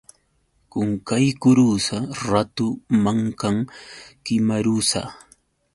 Qunqaykurusa ratu mankan kimarusa.